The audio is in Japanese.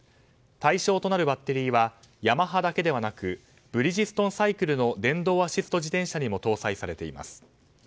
対象となるバッテリーはヤマハだけではなくブリヂストンサイクルの電動アシスト自転車にも搭載されています。